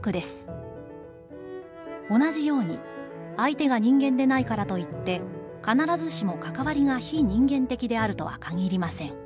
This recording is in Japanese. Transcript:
「同じように、相手が人間でないからといって、必ずしもかかわりが非人間的であるとは限りません」。